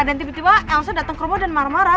dan tiba tiba elsa datang ke rumah dan marah marah